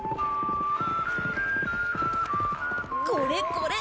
これ、これ。